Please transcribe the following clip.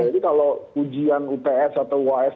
jadi kalau ujian uts atau uas